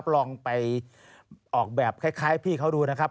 ลองไปออกแบบคล้ายพี่เขาดูนะครับ